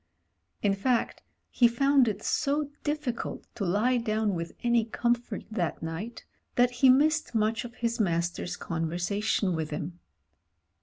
In fact he fotmd it so difficult to lie down with any comfort that night that he missed much of his master's conversation with him.